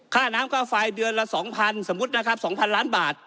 ค้าน้ำค่าไฟเดือนละสองพันสมมุตินะครับสองพันล้านบาท